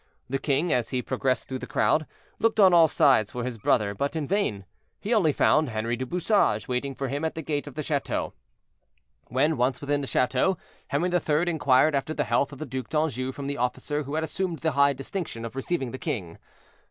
The king, as he progressed through the crowd, looked on all sides for his brother, but in vain. He only found Henri du Bouchage waiting for him at the gate of the chateau. When once within the chateau, Henri III. inquired after the health of the Duc d'Anjou from the officer who had assumed the high distinction of receiving the king.